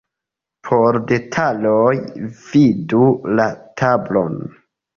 Por detaloj vidu la tablon.